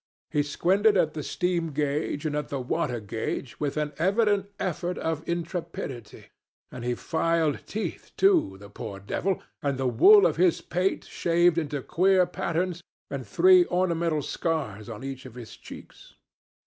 He squinted at the steam gauge and at the water gauge with an evident effort of intrepidity and he had filed teeth too, the poor devil, and the wool of his pate shaved into queer patterns, and three ornamental scars on each of his cheeks.